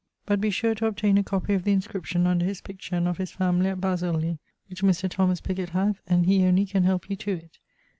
But be sure to obtaine a copie of the inscription under his picture and of his family at Basilleigh, which Mr. Thomas Pigot hath, and he only can help you to it.